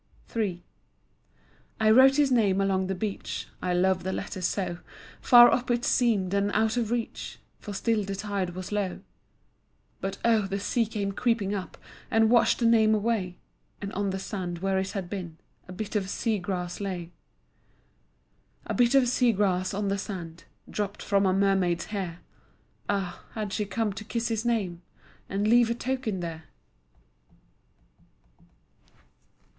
III I wrote his name along the beach, I love the letters so. Far up it seemed and out of reach, For still the tide was low. But oh, the sea came creeping up, And washed the name away, And on the sand where it had been A bit of sea grass lay. A bit of sea grass on the sand, Dropped from a mermaid's hair Ah, had she come to kiss his name And leave a token there?